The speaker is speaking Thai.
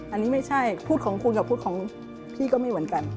อันนี้ไม่ใช่พูดของคุณกับพูดของพี่ก็ไม่เหมือนกัน